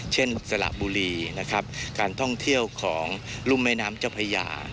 เช่นสลาบวุรีนะครับการท่องเที่ยวของลุมแม่น้ำเจ้าปัญญา